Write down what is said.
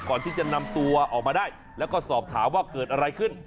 ก่อนที่จะนำตัวออกมาได้แล้วก็สอบถามว่าเกิดอะไรขึ้น